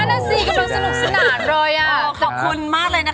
นั่นนะสิกำลังสนุกสนานเลยอะ